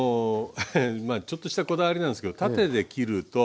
まあちょっとしたこだわりなんですけど縦で切ると。